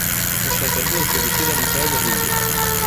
Urashaka rwose gushyira mu kaga ibyo?